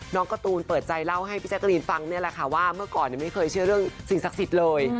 การ์ตูนเปิดใจเล่าให้พี่แจ๊กรีนฟังนี่แหละค่ะว่าเมื่อก่อนไม่เคยเชื่อเรื่องสิ่งศักดิ์สิทธิ์เลย